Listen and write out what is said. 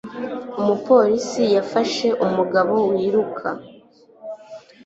Umupolisi yafashe umugabo wiruka